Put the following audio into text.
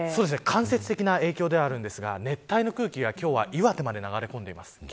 間接的な影響ではあるんですが熱帯の空気が今日は岩手まで流れ込んでいます。